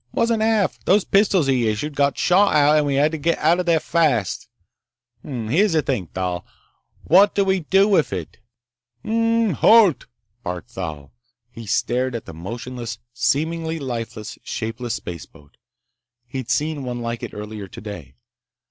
"Wasn't half! Those pistols he issued got shot out and we had to get outta there fast!... Hm m m.... Here's this thing, Thal. What do we do with it?" "Hrrrmp, halt!" barked Thal. He stared at the motionless, seemingly lifeless, shapeless spaceboat. He'd seen one like it earlier today.